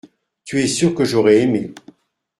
Tu es sûr que j’aurais aimé.